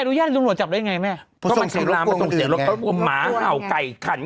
จ้างหลวดจับไงเฉย